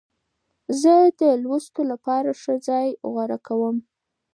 زه د لوستو لپاره ښه ځای غوره کوم.